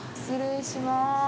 失礼します。